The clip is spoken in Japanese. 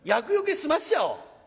済ましちゃおう。